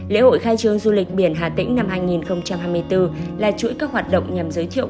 lễ hội khai trương du lịch biển hà tĩnh năm hai nghìn hai mươi bốn là chuỗi các hoạt động nhằm giới thiệu